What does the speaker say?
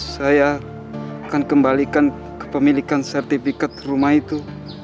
saya akan kembalikan kepemilikan sertifikat rumah itu